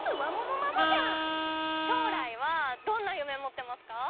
将来はどんな夢を持ってますか？